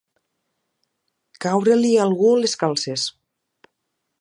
Caure-li a algú les calces.